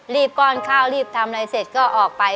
ก้อนข้าวรีบทำอะไรเสร็จก็ออกไป